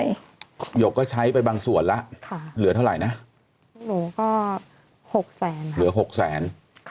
หนูก็หกแสนค่ะเหลือหกแสน